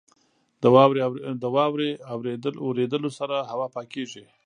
• د واورې اورېدو سره هوا پاکېږي.